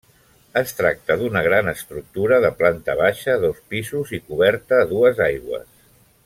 Es tracta d'una gran estructura de planta baixa, dos pisos i coberta a dues aigües.